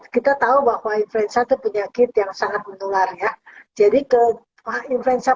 kita tahu bahwa influenza itu penyakit yang sangat menular ya jadi ke influenza